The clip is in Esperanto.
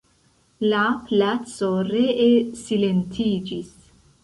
La placo ree silentiĝis.